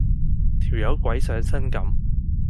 條友鬼上身咁